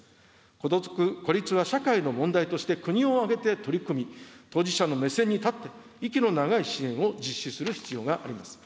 孤独・孤立は社会の問題として国を挙げて取り組み、当事者の目線に立って、息の長い支援を実施する必要があります。